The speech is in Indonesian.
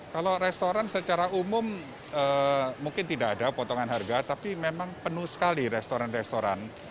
kalau restoran secara umum mungkin tidak ada potongan harga tapi memang penuh sekali restoran restoran